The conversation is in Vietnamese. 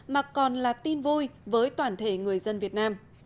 mà còn là tin vui với toàn thể người dân việt nam